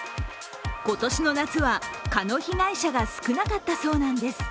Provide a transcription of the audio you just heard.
今年の夏は蚊の被害者が少なかったそうなんです。